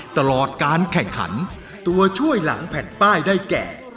ตลอดการแข่งขันตัวช่วยหลังแผ่นป้ายได้แก่